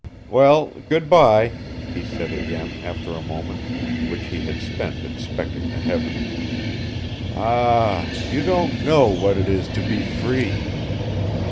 "Well, good by," he said again after a moment, which he had spent inspecting the heavens. "Ah, you don't know what it is to be free!